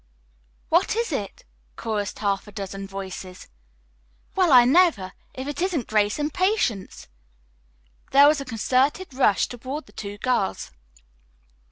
"What is it?" chorused half a dozen voices. "Well, I never! If it isn't Grace and Patience!" There was a concerted rush toward the two girls.